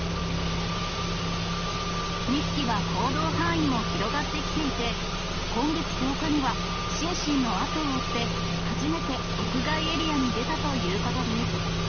２匹は行動範囲も広がってきていて、今月１０日にはシンシンの後を追って、初めて屋外エリアに出たということです。